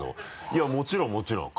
いやもちろんもちろん。